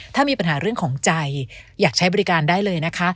ถ้ามีปัญหาเรื่องของใจอยากใช้บริการได้เลยนะคะ